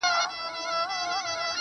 نه پنډت ووهلم، نه راهب فتواء ورکړه خو~